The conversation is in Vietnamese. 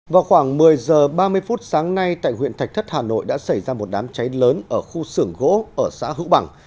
vào khoảng một mươi h ba mươi phút sáng nay tại huyện thạch thất hà nội đã xảy ra một đám cháy lớn ở khu xưởng gỗ ở xã hữu bằng